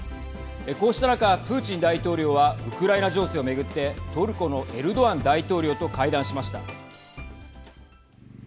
こうした中、プーチン大統領はウクライナ情勢を巡ってトルコのエルドアン大統領と会談しました。